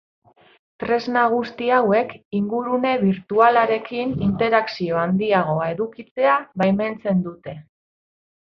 Tresna guzti hauek ingurune birtualarekin interakzio handiagoa edukitzea baimentzen dute.